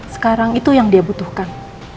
sekarang itu yang dia butuhkan